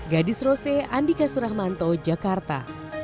gadis rose andika suramanto jakarta